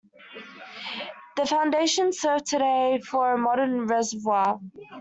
The foundations serve today for a modern reservoir.